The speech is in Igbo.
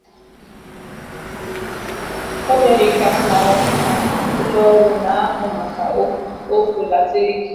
O mere ka a mara na ụlọọrụ na-ahụ maka ọkụ latirik